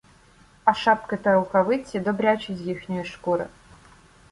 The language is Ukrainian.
А шапки та рукавиці — добрячі з їхньої шкури.